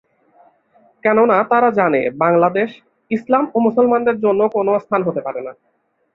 কেননা তারা জানে 'বাংলাদেশ' ইসলাম ও মুসলমানদের জন্য কোন স্থান হতে পারে না।